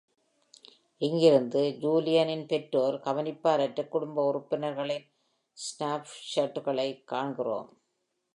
இங்கிருந்து, Julien இன் பெற்றோர் கவனிப்பாரற்றக் குடும்ப உறுப்பினர்களின் ஸ்னாப்ஷாட்களைக் காண்கிறோம்.